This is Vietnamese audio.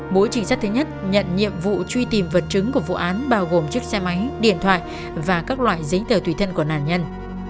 mỗi trinh sát thứ nhất nhận nhiệm vụ truy tìm vật chứng của vụ án bao gồm chiếc xe máy điện thoại và các loại giấy tờ tùy thân của nạn nhân